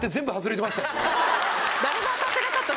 誰も当たってなかった。